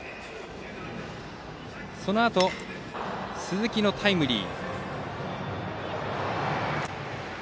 そのあと、鈴木のタイムリー。